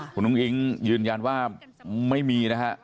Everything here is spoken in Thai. คุณอุ้งอิ๊งยืนยันว่าไม่มีนะฮะ